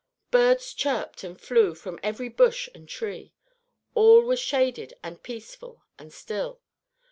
Birds chirped and flew from every bush and tree. All was shaded and peaceful and still.